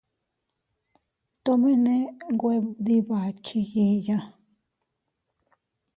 Tomene nwe dii bakchi yiʼya.